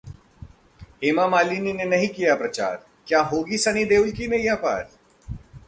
हेमा मालिनी ने नहीं किया प्रचार, क्या होगी सनी देओल की नैया पार?